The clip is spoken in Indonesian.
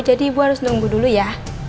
jadi ibu harus nunggu dulu ya